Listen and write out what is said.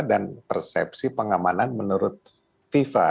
dan persepsi pengamanan menurut fifa